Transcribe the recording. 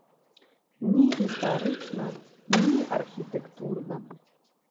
Ні гістарычна, ні архітэктурна.